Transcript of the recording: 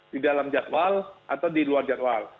di dalam jadwal atau di luar jadwal